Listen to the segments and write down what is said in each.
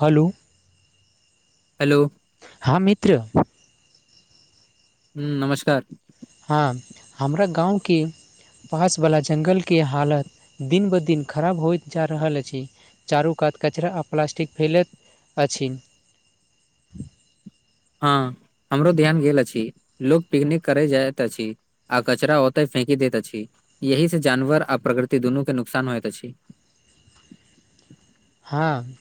हलो hello हँ मित्र हू नमस्कार हँ हमरा गाँवके पासवला जंगल के हालत दिन ब दिन खराब होइत जा रहल अछि चारु कात कचरा आ प्लास्टिक फैलत अछि हँ हमरो ध्यान गेल अछि लोग पिकनिक करे जाइत अछि आ कचरा ओतय फेकी दैत अछि यही से जानवर आ प्रकृति दुनू के नुकसान होइत अछि हँ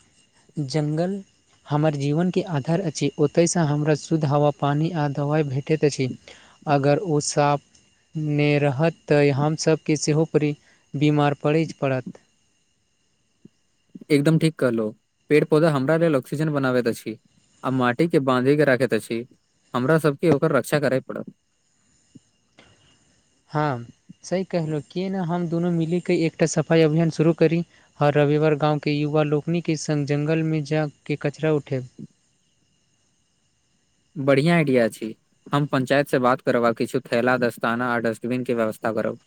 जंगल हमर जीवन के आधार अछि ओतय से हमरा शुद्ध हवा पानी आ दवाइ भे टैत अछि अगर ओ साफ ने रहत त हमसभके सेहो पर बीमार पड़ै पड़त एकदम ठीक कहलो पेड़ पौधा हमरा लेल ऑक्सीजन बनाबैत अछि आ माटी के बाँधे के राखैत अछि हमरा सबके ओकर रक्षा करे पड़त हँ सही कहलहुँ किए नहि हम दुनू मिलिक क एकटा सफाय अभियान शुरू करी हर रविवार गाँव के युवा लोकनि के संग जंगल मे जा के कचराा उठे बढ़िआ आइडिया छै हम पञ्चायत से बात करब आ किछु थैला दस्ताना आ डस्टबिन के व्यवस्था करब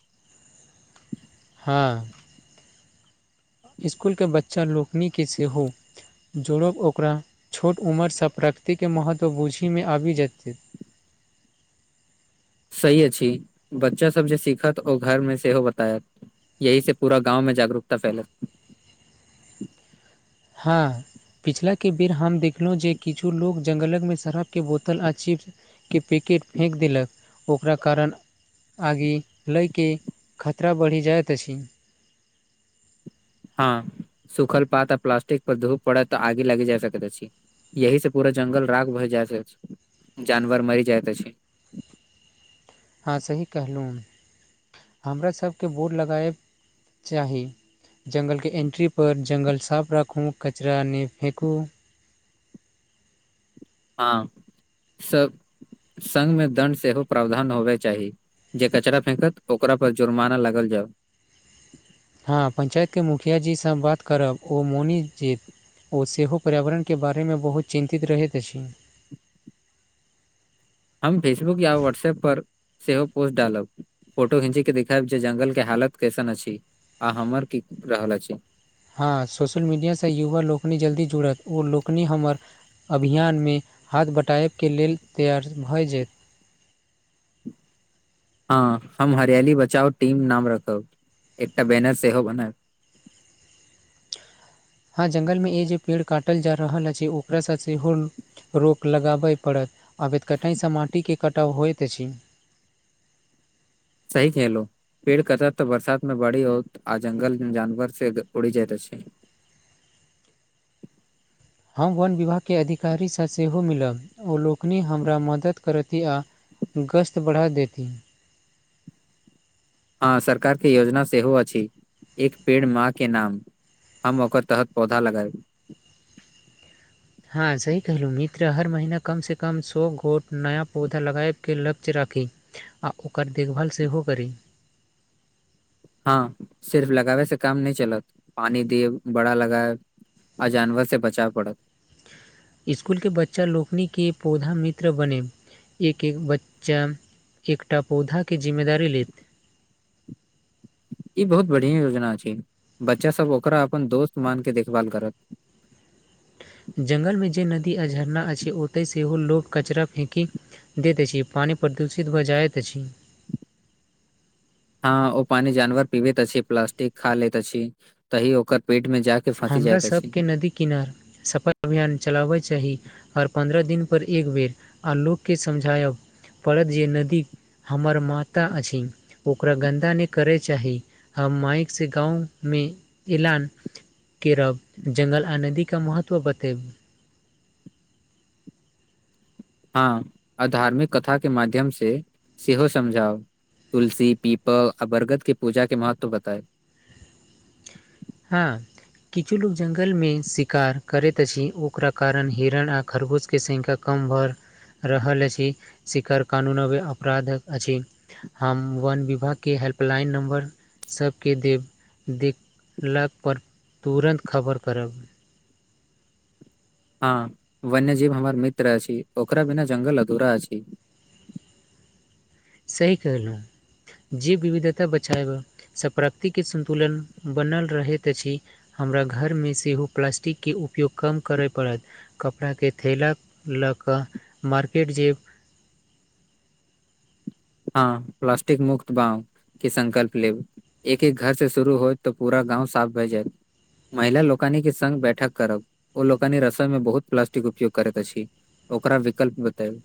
हँ स्कूल के बच्चा लोकनी क से हो जोड़ब ओकरा छोट उम्रसँ प्रकतिके महत्व बूँझीमे आबि जेतै सही अछि बच्चा सब जे सिखत ओ घर मे सेहो बतायत यही से पूरा गाँंव मे जागरूकता फैलत हँ पिछलाके बेर हम देखलहुँ जे किछु लो जंगलकमे शराब के बोतल आ चिप्स के पैकेट फेक देलक ओकरा कारण आगे लयके खतरा बढ़ि जाइत अछि हँ सुखल पात आ प्लासटिक पर धूप पड़त त आगे लागि जा सकत अछि यही से पूरा जंगल राख भए जाइत जानवर मरि जाइत अछि हँ सही कहलहुँ हमरा सबके वोर्ड लगाबए चाहि जंगल के एंट्री पर जंगल साफ राखू कचरा नहि फेकू हँ सब सगमे दण्ड सेहो प्रावधान होबे चाहि जे कचरा फेंकत ओकरा पर जुर्माना लागल जाए हँ पञ्चायतके मुखियााजीसँ बात करब ओ मौनीजीत ओ सेहो पर्यावरणके बारेमे बहुत चिन्तित रहैत अछि हम फेसबुक या व्हाट्सऐप पर सेहो पोस्ट डालब फोटो खींचे के देखायब जे जंगल के हालत कैसन अछि आ हमर की रहल अछि हँ सोशल मीडियासँ युवा लोकनि जल्दी जुड़त ओ लोकनि हमर अभियानमे हाथ बँटाबके लेल तैआर भऽ जायत हँ हम हरियाली बचाउ टीम नाम रखब एकटा बैनर सेहो बनाएब हँ जंगल मे ए जे पेड़ काटल जा रहल अछि ओकरा सब हो रोक लगाबय पड़त आब त कटाहिसँ माटिके कटाव होइत अछि सही कैलो पेड़ कतत तऽ बरसात मे बड़ी होत आ जंगल जानवर से उड़ि जाइत छै हम वन विभागके अधिकारीसँ सेहो मिलब ओलनि हमरा मदद करथि आ गश्त बढ़ा देती हँ सरकार के योजना सेहो अछि एक पेड़ माँ के नाम हम ओकर तहत पौधा लगाएब हँ सही कहलहुँ मित्र हर महिना कमसँ कम सए गोट नया पौधा लगाबके लक्ष्य राखि आ ओकर देखभाल सेहो करि हँ सिर्फ लगाबै से काम नहि चलत पानी दिय बड़ा लगए आ जानवर से बचाव पड़त स्कूल के बच्चा लोकनी के पौधा मित्र बने एक एक बच्चा एकटा पौधा के जिम्मेदारी लेत ई बहुत बढ़ििया योजना छै बच्चा सब ओकरा अपन दोस्त मान के देखभाल करत जंगल मे जे नदी आ झरना छै ओतय सेहो लोभ कचरा फेंकि द दै छी पानि प्रदूषित भऽ जाइत अछि हँ ओ पानी जानवर पीबैत अछि प्लास्टिक खा लैत अछि तहि ओकर पेट में जाक हमरा सबके नदी किनार सफाइ अभियान चलाबय चाही हर पन्द्रह दिन पर एक बेर आ लोकके समझायब पड़त जे नदी हमर माता अछि ओकरा गन्दा नहि करय चाहि हम माइक से गाँवमे ऐलान केरब जंगल आ नदीके महत्व बतबै हँ आ धार्मिक कथा के माध्यम से सेहो समझाउ तुलसी पीपल आ बरगद के पूजा के महत्व बताए हँ किछु लोक जङ्गलमे शिकार करैत अछि ओकरा कारण हिरण आ खरगोशके संख्या कम भऽ रहल अछि शिखर कानूनोमे अपराध अछि हम वन विभागके हेल्पलाइन नम्बर सबके देब दे लग परर तुरन्त खबर करब हँ वन्यजीव हमर मित्र अछि ओकरा बिना जंगल अधूरा अछि सही कहलु जे विविधता बचएबसँ प्रकृति के संन्तुलन बनल रहैत अछि हमरा घरमे सेहो प्लास्टिकके उपयोग कम करय पड़त कपड़ाके थैेला लऽ कऽ मार्केट जे हँ प्लास्टिक मुक्त बाम क संकल्प लेब एक एक घर से शुरू होत तऽ पूरा गाँव साफ भए जायत महिला लोकनी के संग बैठक करब ओ लोकनी रसोई में बहुत प्लास्टिक उपयोग करैत अछि ओकरा विकल्प बतैब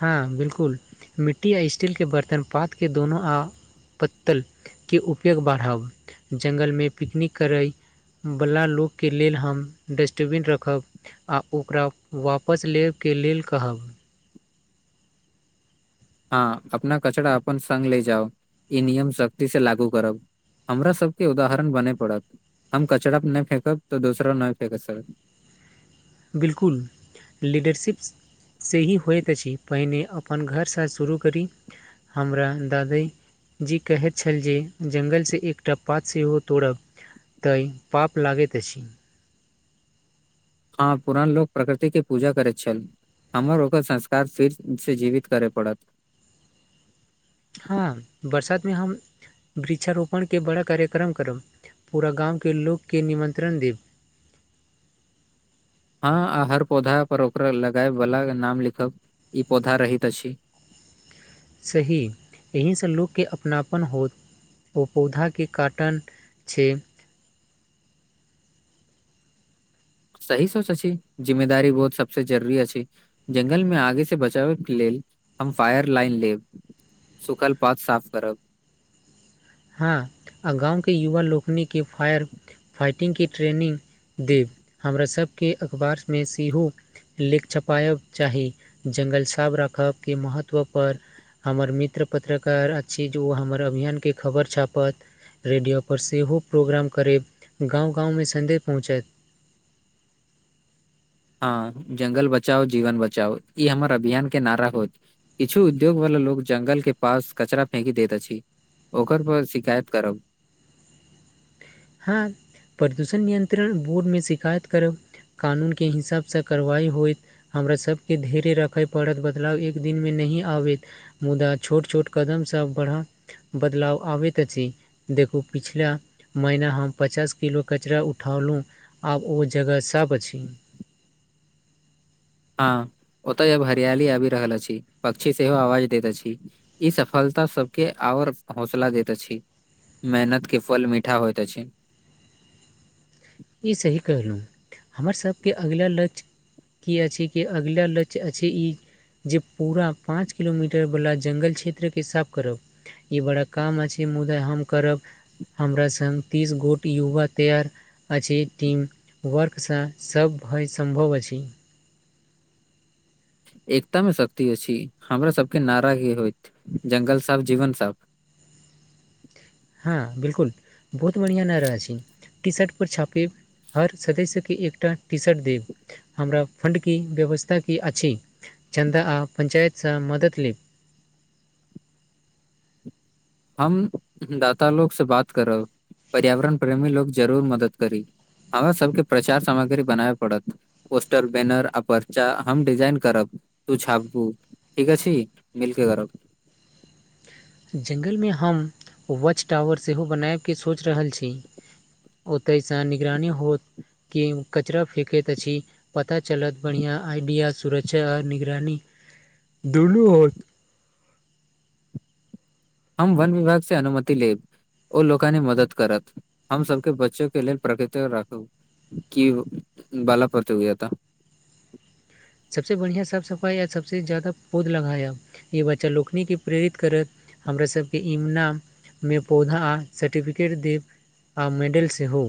हँ बिलकुल मिट्टी आ स्टीलके बर्तन पातके दोनो आ पत्तल के उपयोग बढ़उ जगंलमे पिकनिक करय बला लोकके लेल हम डस्टबीन रखब आ ओकरा वापस लेबके लेल कहब हँ अपना कचरा अपन संग ले जाउ ई नियम सख्ती से लागू करब हमरा सबके उदाहरण बने पड़त हम कचरा पर नहि फेेकब तऽ दोसरा नहि फेेक स बिलकुल लीडरशिप से ही होइत अछि पहिने अपन घरसँ शुरू करी हमरा दादई जी कहैत छल जे जंगल स एकटा पात सेहो तोड़ब तै पाप लागेत अछि हँ पुरान लोक प्रकृति के पूजा करैत छल हमर ओकर संस्कार फिर से जीवित करे पड़त हँ बरसातमे हम वृक्षारोपणके बड़ा कार्यक्रम करब पूरा गाँवके लोकके निमन्त्रण देब हँ आ हर पौधा पर ओकरा लगए वाला नाम लिखब ई पौधा रहैत अछि सही एहिसँ लोकके अपनापन होत ओ पौधाके काटन छै सही सोची छि जिम्मेदारी बहुत सबस जरूरी अछि जंगल मे आगे से बचाबै के लेल हम फायर लाइन लेब सुखल पात साफ करब हँ आ गाँव के युवा लोकनि के फायर फाइटिंग के ट्रेनिंग देब हमरा सबके अखबारमे सेहो लेख छपायब चाही जंगल साफ राखब के महत्व पर हमर मित्र पत्रकार अछि जे ओ हमर अभियान के खबर छापत रेडियो पर सेहो प्रोग्राम करैब गाँव गाँवमे संदेश पहुँचैत आ जंगल बचाओ जीवन बचाओ ई हमर अभियान के नारा होत किछु उद्योग वला लोग जंगल के पास कचरा फेक दैत अछि ओकर पर शिकायत करब हँ प्रदूषण नियंत्रण बोर्डमे शिकायत करब कानून के हिसाबसँ कार्यवाइ होइत हमरासभके धैर्य रखय पड़त बदलाव एक दिनमे नहि आबैत मुदा छोट छोट कदमसभ बढ़ाउ बदलाव आबैत अछि देखू पिछिला महिना हम पचास किलो कचरा उठौलहुँ आब ओ जगह सब अछि हँ ओतय जब हरियाली आबि रहल अछि पक्षी सेहो आवाज दैत अछि ई सफलता सब के आओर हौसला देैत अछि मेहनत के फल मीठा होयत अछि ई सही कहलहुँ हमर सभके अगिला लक्ष्य की अछि कि अगिला लक्ष्य अछि ई जे पूरा पाँच किलोमीटर वाला जंगल क्षेत्र के साफ करब ई बड़ा काम अछि मुदा हम करब हमरा संग तीस गोट युवा तैयार अछि टीम वर्कसँ सभ भय सम्भव अछि एकता मे शक्ति अछि हमरा सबके नारा एही होयत जंगल साफ जीवन साफ हँ बिल्कुल बहुत बढ़ियां नारा अछि टी शर्ट परर छापब हर सदस्यके एकटा टी शर्ट देब हमरा फंड के व्यवस्था की अछि चन्दा आ पंचायतसँ मदद लेब हम दाता लोग स बात करब पर्यावरण प्रेमी लोक जरूर मदद करी हमरा सबके प्रचार सामग्री बनायब पड़त पोस्टर बैनर आचा हम डिजाइन करब तू छापबू ठीक अछि मिलके करब जंगलमे हम वॉच टावर सेहो बनायब के सोचि रहल छी ओतयसँ निगरानी होत कि कचरा फेेकैत अछि पता चलत बढ़ियां आइडिया सुरक्षा आ निगरानी दुनु होत हम वन विभाग से अनुमति लेब ओ लोकानि मदद करत हम सबके बच्चो के लेल प्रकृति राखू की बाला प्रतियोगिता सबसे बढ़िआँ साफ सफाइ आ सबसे ज्यादा पौध लगाया य बच्चा लोकनी केप्रेरित करत हमरा सबके इमनामे पौधा आ सर्टिफिकेट देब आ मेडेल सेहो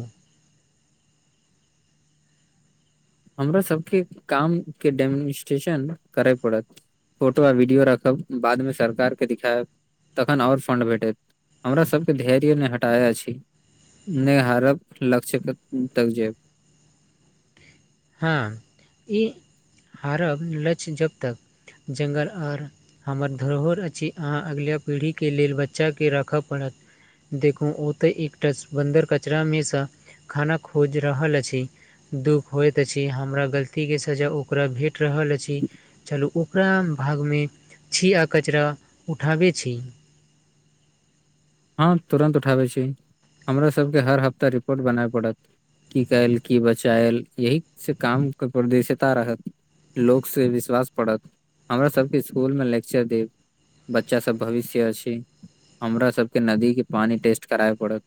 हमरा सबके काम के डेमनिस्ट्रेशन करै पड़त फोटो आ वीडियो राखब बादमे सरकार के दिखायब तखन और फंड भेटैत हमरा सबके धैर्य नय हटाए अछि नहि हारब लक्ष्य के तक जायब हँ ई हारब लक्ष्य जब तक जंगल आओर हमर धरोहर अछि अहाँ अगिला पीढ़ीके लेल बचाके राखय पड़त देखु ओ त एकटा बन्दर कचरा मे सा खाना खोज रहल अछि दु होइत अछि हमरा गलतीके सजा ओकरा भेट रहल अछि चलू ओकरा भागमे छी आ कचरा उठाबै छी हँ तुरन्त उठाबै छी हमरा सबके हर हफ्ता रिपोर्ट बना पड़त की कयल की बचायल यही से काम के परदशिता रहत लोकसँ विश्वास पड़त हमराासभके स्कुलमे लेक्चर देब बच्चा सब भविष्य अछि हमरा सबके नदी के पानी टेस्ट कराएब पड़त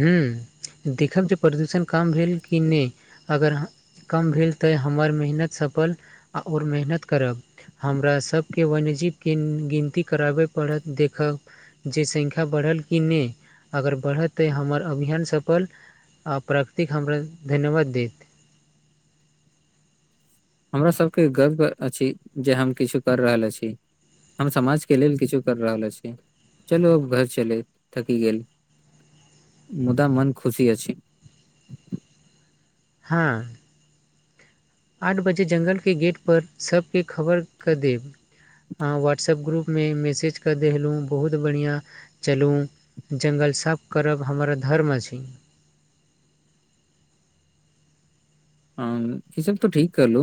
हँ देखब जे प्रदूषण कम भेल कि नहि अगर कम भेल तऽँ हमर मेहनत सफल आ आओर मेहनत करब हमरा सभके वन्यजीव के गिनती कराबय पड़त देखब जे संख्या बढ़ल कि नय अगर बढ़त तैँ हमर अभियान सफल आ प्राकृतिक हमरा धन्यवाद देत हमरा सबके गर्व अछि जे हम किछु कर रहल अछि हम समाज के लेल किछु कर रहल अछि चलु अब घर चल थकि गेल मुदा मन खुशी अ छै हँ आठ बजे जंगलके गेटपर सबके खबर कऽ देब हह व्हाट्सअप ग्रुपमे मैसेजके देखेलहुँ बहुत बढ़िआँ चलूं जंगल साफ करब हमर धर्म अछि ह ई सब त ठीक कर लू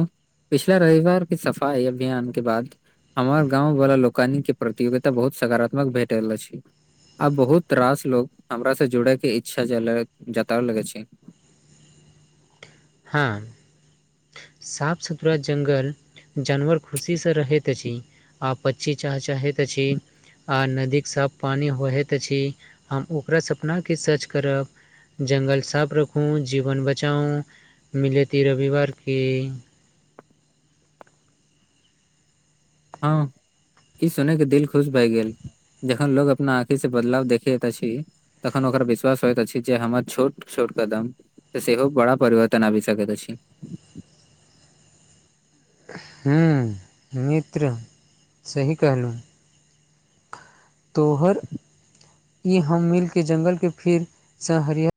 पिछला रविवारके सफाई अभियान के बाद हमर गाँंवाला लोकानिक के प्रतियोगिता बहुत सकारात्मक भेट रहल अछि आब बहुत रास लोग हमरा से जुड़े के इच्छा जल जताव लगे अछि हँ साफ सुथरा जंगल जानवर खुशीसँ रहैत अछि आ पक्षी चहचहायत अछि आ नदीके साफ पानि होहैत अछि हम ओकरा सपनाके सच करब जंगल साफ रखू जीवन बचाउ मिलेती रविवार के हँ ई सुनैके दिल खुश भए गेल जखन लोग अपना आँखि से बदलाव देखेत अछि तखन ओकर विश्वास होइत अछि जे हमर छोट छोट कदम त सेहो बड़ा परिवर्तन आबि सकैत अछि हू मित्र सही कहलहुँ तोहर ई हम मिलके जंगल के फिर स हरिया